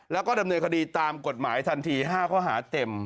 แล้วก็ดำเนินคดีตามกฎหมายทันที๕ข้อหาเต็ม